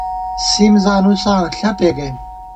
سِم زانُساں ݪپےگئیم